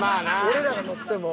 俺らが乗っても。